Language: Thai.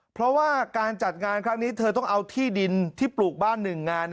เพราะว่าการจัดงานครั้งนี้เธอต้องเอาที่ดินที่ปลูกบ้านหนึ่งงาน